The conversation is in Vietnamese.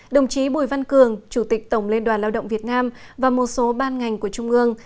đồng chí bùi văn cường chủ tịch tổng liên đoàn lao động việt nam và một số ban ngành của trung ương